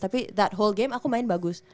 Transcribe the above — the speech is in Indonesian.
tapi that whole game aku main bagus